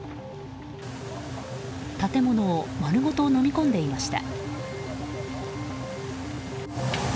建物を丸ごとのみ込んでいました。